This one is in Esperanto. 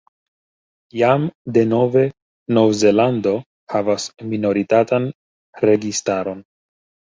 Jam denove Nov-Zelando havas minoritatan registaron.